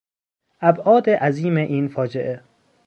ابعاد عظیم این فاجعه